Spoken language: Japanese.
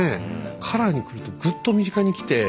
カラーにくるとぐっと身近にきて。